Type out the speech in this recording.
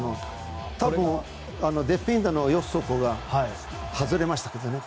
多分、ディフェンダーの予測が外れましたけどね。